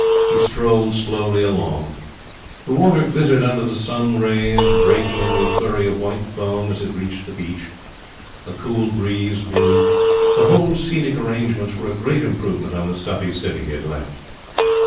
He strolled slowly along. The water glittered under the sun rays, breaking into a flurry of white foam as it reached the beach. A cool breeze blew. The whole scenic arrangements were a great improvement on the stuffy city he had left.